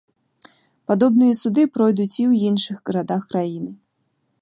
Падобныя суды пройдуць і ў іншых гарадах краіны.